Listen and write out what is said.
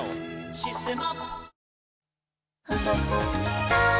「システマ」